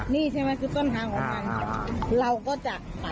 นี่ใช่ไหมต้นทางของมันเราก็จะปัดปัดปัด